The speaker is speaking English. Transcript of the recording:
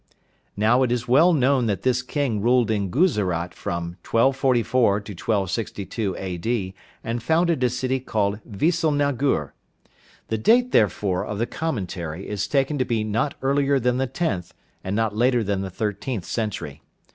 Now it is well known that this king ruled in Guzerat from 1244 to 1262 A.D., and founded a city called Visalnagur. The date, therefore, of the commentary is taken to be not earlier than the tenth and not later than the thirteenth century.